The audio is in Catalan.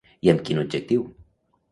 I amb quin objectiu?